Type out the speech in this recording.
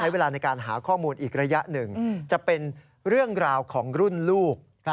อีกระยะหนึ่งจะเป็นเรื่องราวของรุ่นลูก